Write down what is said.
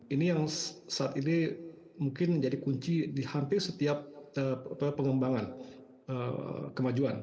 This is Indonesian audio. ini yang saat ini mungkin menjadi kunci di hampir setiap pengembangan kemajuan